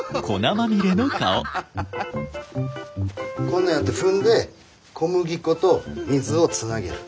こんなやって踏んで小麦粉と水をつなげる。